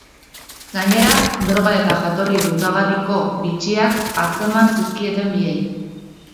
Gainera, droga eta jatorri dudagarriko bitxiak atzeman zizkieten biei.